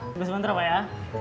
coba sebentar pak ya